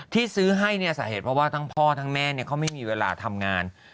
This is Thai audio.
ที่ซื้อให้เนี่ยสาเหตุเพราะว่าทั้งพ่อทั้งแม่เขาไม่มีเวลาทำงาน